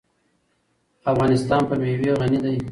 افغانستان په مېوې غني دی.